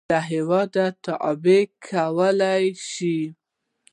له هېواده تبعید کړل شو.